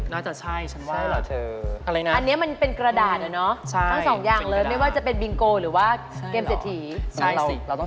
น่าจะใช่ฉันว่าอันนี้มันเป็นกระดาษอะเนอะทั้ง๒อย่างเลยไม่ว่าจะเป็นบิงโกหรือว่าเกมเสด็จถี